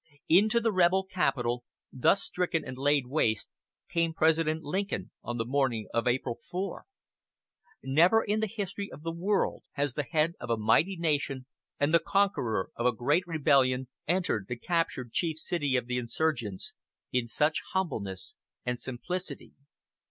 Into the rebel capital, thus stricken and laid waste, came President Lincoln on the morning of April 4. Never in the history of the world has the head of a mighty nation and the conqueror of a great rebellion entered the captured chief city of the insurgents in such humbleness and simplicity.